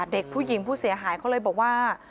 เด็กผู้หญิงผู้เสียหายเขาเลยบอกว่า